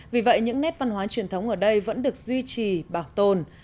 vì vậy những nét văn hóa truyền thống ở đây vẫn được duy trì bảo tồn